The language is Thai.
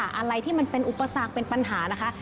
อะไรที่มันเป็นอุปสรรคเป็นปัญหานะคะ